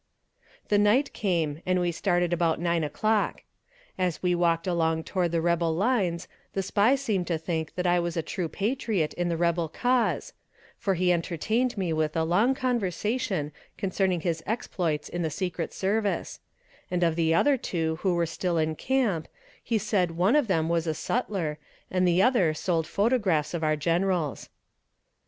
The night came, and we started about nine o'clock. As we walked along toward the rebel lines the spy seemed to think that I was a true patriot in the rebel cause, for he entertained me with a long conversation concerning his exploits in the secret service; and of the other two who were still in camp he said one of them was a sutler, and the other sold photographs of our generals.